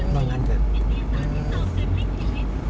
บ้างงั้นแบบ